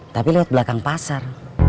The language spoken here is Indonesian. tapi lewat belakang pasar